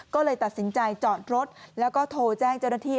ก็เลยตัดสินใจจอดรถแล้วก็โทรแจ้งเจ้าหน้าที่